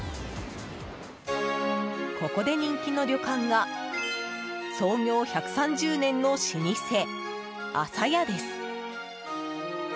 ここで人気の旅館が創業１３０年の老舗あさやです。